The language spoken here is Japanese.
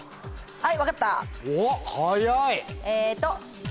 はい！